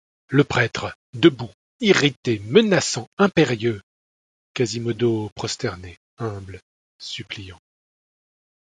Le prêtre, debout, irrité, menaçant, impérieux ; Quasimodo, prosterné, humble, suppliant.